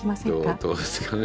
どうですかね。